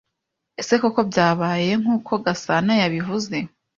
Ese koko byabaye nkuko Gasanayabivuze?